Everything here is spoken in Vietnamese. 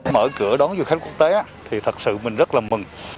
mở cửa đón du khách quốc tế thì thật sự mình rất là mừng